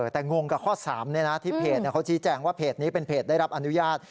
แต่งงกับข้อ๓ที่เพจเขาชี้แจงว่าเพจนี้เป็นเพจได้รับอนุญาต